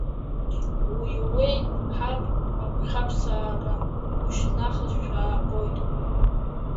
Иууеи, ҳаб, агәхьаԥссара ушьҭнахызшәа аабоит!